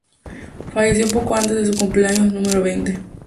Falleció poco antes de su cumpleaños número veinte.